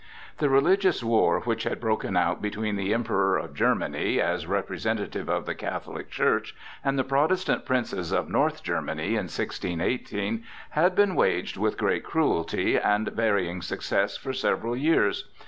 The religious war, which had broken out between the Emperor of Germany, as representative of the Catholic Church, and the Protestant princes of North Germany in 1618, had been waged with great cruelty and varying success for several years.